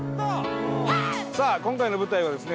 さあ今回の舞台はですね